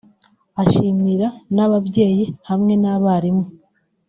ashimira n’ababyeyi hamwe n’abarimu